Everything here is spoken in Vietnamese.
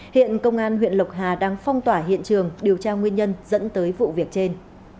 hiện công an huyện lộc hà đang phong tỏa hiện trường điều tra nguyên nhân dẫn tới vụ việc trên